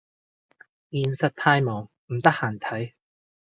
現實太忙唔得閒睇